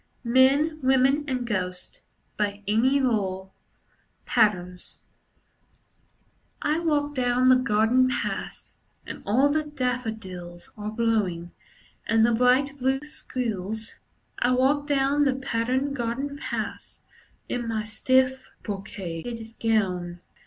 MEN, WOMEN AND GHOSTS FIGURINES IN OLD SAXE Patterns I walk down the garden paths, And all the daffodils Are blowing, and the bright blue squills. I walk down the patterned garden paths In my stiff, brocaded gown.